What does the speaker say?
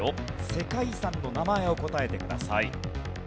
世界遺産の名前を答えてください。